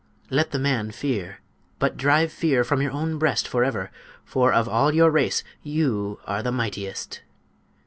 Let the man fear, but drive fear from your own breast forever; for of all your race you are the mightiest!"